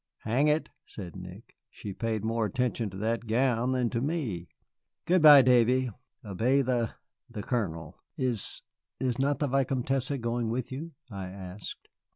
"Hang it," said Nick, "she paid more attention to that gown than to me. Good by, Davy. Obey the the Colonel." "Is is not the Vicomtesse going with you?" I asked.